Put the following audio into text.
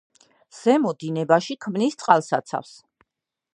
ზემო დინებაში ქმნის წყალსაცავს.